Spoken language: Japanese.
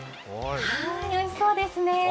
おいしそうですね。